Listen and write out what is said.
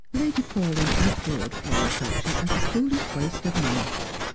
Lady Paulyn abjured floriculture as a foolish waste of money.